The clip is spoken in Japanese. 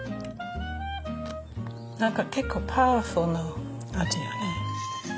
何か結構パワフルな味よね。